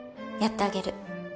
やってあげる。